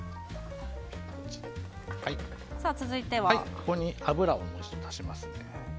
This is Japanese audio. ここに油をもう一度足します。